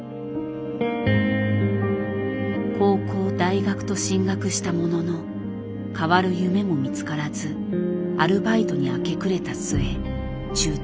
高校大学と進学したもののかわる夢も見つからずアルバイトに明け暮れた末中退。